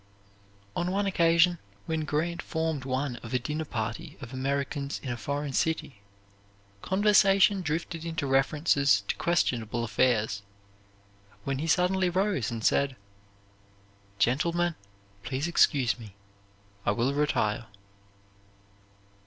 On one occasion, when Grant formed one of a dinner party of Americans in a foreign city, conversation drifted into references to questionable affairs, when he suddenly rose and said, "Gentlemen, please excuse me, I will retire."